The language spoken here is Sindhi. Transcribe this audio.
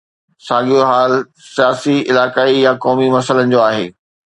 ساڳيو حال سياسي، علائقائي يا قومي مسئلن جو آهي.